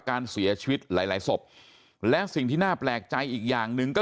การเสียชีวิตหลายหลายศพและสิ่งที่น่าแปลกใจอีกอย่างหนึ่งก็